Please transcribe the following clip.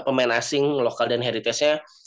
pemain asing lokal dan heritage nya